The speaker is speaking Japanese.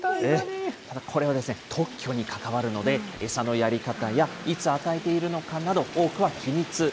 これは特許に関わるので、餌のやり方やいつ与えているのかなど、多くは秘密。